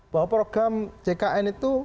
bahwa program jkn itu